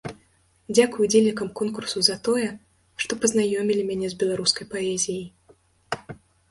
Дзякуй ўдзельнікам конкурсу за тое, што пазнаёмілі мяне з беларускай паэзіяй.